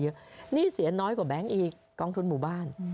หนี้เสียน้อยกว่าแบงค์อีกกองทุนหมู่บ้าน